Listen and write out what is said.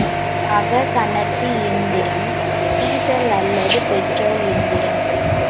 அகக்கனற்சி எந்திரம் டீசல் அல்லது பெட்ரோல் எந்திரம்.